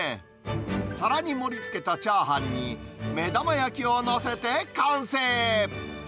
さらに盛りつけたチャーハンに、目玉焼きを載せて完成。